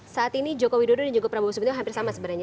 saat ini joko widodo dan juga prabowo subianto hampir sama sebenarnya